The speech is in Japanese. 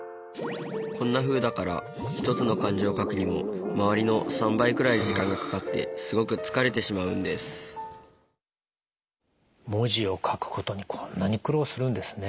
こんなふうだから１つの漢字を書くにも周りの３倍くらい時間がかかってすごく疲れてしまうんです文字を書くことにこんなに苦労するんですね。